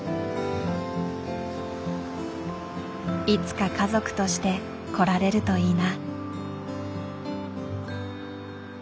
いつか家族として来られるといいな。